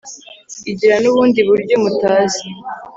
igira n' ubundi buryo mutazi,